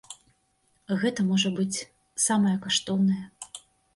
Гэта, можа быць, самае каштоўнае.